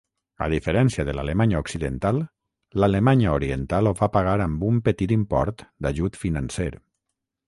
A diferència de l'Alemanya Occidental, l'Alemanya Oriental ho va pagar amb un petit import d'ajut financer.